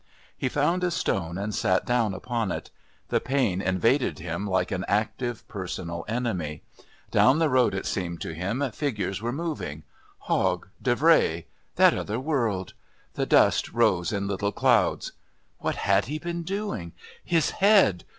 He found a stone and sat down upon it. The pain invaded him like an active personal enemy. Down the road it seemed to him figures were moving Hogg, Davray that other world the dust rose in little clouds. What had he been doing? His head!